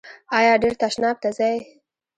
ایا ډیر تشناب ته ځئ؟